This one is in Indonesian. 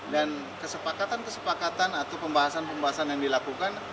dan kesepakatan kesepakatan atau pembahasan pembahasan yang dilakukan